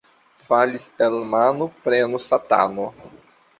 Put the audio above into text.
Falis el mano — prenu satano.